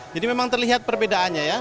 jadi memang terlihat perbedaannya ya